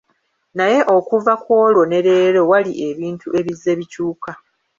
Naye okuva ku olwo ne leero wali ebintu ebizze bikyuka.